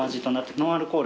ノンアルコールです。